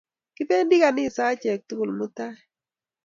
Kipendi ganisa achek tugul mutai.